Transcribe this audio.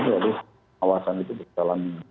jadi mengawasi hal ini